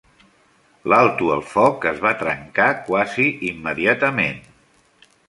L"alto el foc es va trencar quasi immediatament.